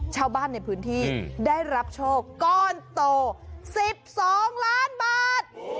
ชาวบ้านในพื้นที่ได้รับโชคก้อนโต๑๒ล้านบาท